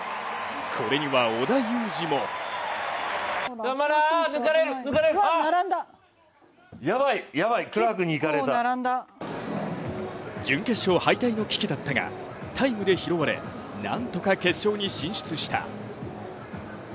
これには織田裕二も準決勝敗退の危機だったがタイムで拾われなんとか決勝に進出した。